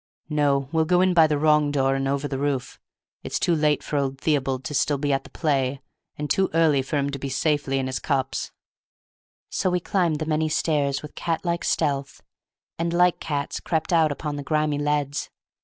No, we'll go in by the wrong door and over the roof; it's too late for old Theobald to be still at the play, and too early for him to be safely in his cups." So we climbed the many stairs with cat like stealth, and like cats crept out upon the grimy leads.